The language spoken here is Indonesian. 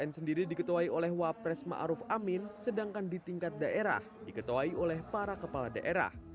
dbon sendiri diketuai oleh wapres ma'ruf amin sedangkan di tingkat daerah diketuai oleh para kepala daerah